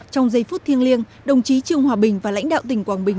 trong giây phút thiêng liêng đồng chí trương hòa bình và lãnh đạo tỉnh quảng bình